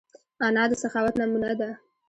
انا د سخاوت نمونه ده